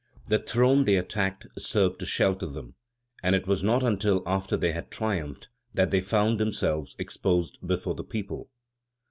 The throne they attacked served to shelter them, and it was not until after they had triumphed that they found themselves exposed before the people."